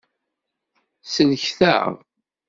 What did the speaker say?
Sellket-aɣ.